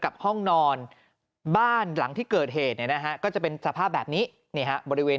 กับห้องนอนบ้านหลังที่เกิดเหตุก็จะเป็นสภาพแบบนี้บริเวณ